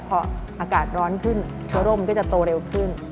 พออากาศร้อนขึ้นเชื้อร่มก็จะโตเร็วขึ้น